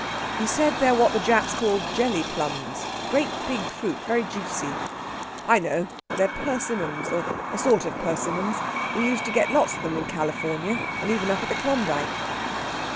"He said they are what the Japs call jelly plums great big fruit, very juicy." "I know. They're persimmons, or a sort of persimmons. We used to get lots of them in California, and even up at the Klondyke...."